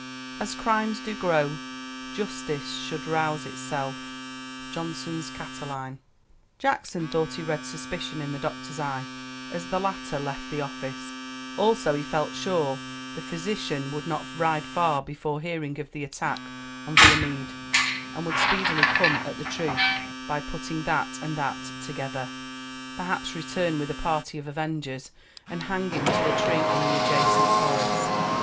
"As crimes do grow, justice should rouse itself." JOHNSON'S CATILINE. Jackson thought he read suspicion in the doctor's eye as the latter left the office; also he felt sure the physician would not ride far before hearing of the attack on Viamede, and would speedily come at the truth by putting that and that together; perhaps return with a party of avengers, and hang him to a tree in the adjacent forest.